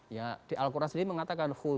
ya di al quran sendiri mengatakan full